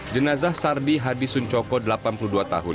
jenazah sardi hadi suncoko delapan puluh dua tahun